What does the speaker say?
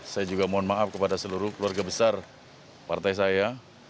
saya juga mohon maaf kepada seluruh keluarga besar partai saya